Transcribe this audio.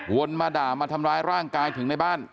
มาด่ามาทำร้ายร่างกายถึงในบ้าน